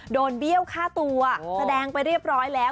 เบี้ยวฆ่าตัวแสดงไปเรียบร้อยแล้ว